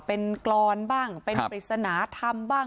เป็นกรอนบ้างเป็นปริศนาธรรมบ้าง